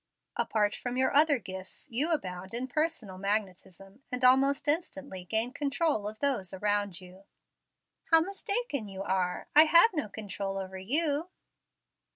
Apart from your other gifts, you abound in personal magnetism, and almost instantly gain control of those around you." "How mistaken you are! I have no control over you."